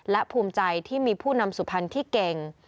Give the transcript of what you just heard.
และภูมิใจที่มีผู้นำสุพรรณที่เก่ง